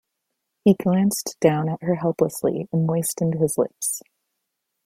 He glanced down at her helplessly, and moistened his lips.